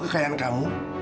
semua kekayaan kamu